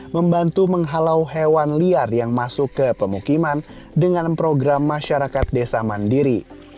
membantu menghalau hewan liar yang masuk ke pemukiman dengan program masyarakat desa mandiri